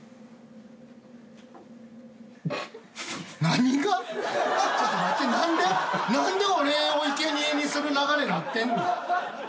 何で俺をいけにえにする流れなってんの？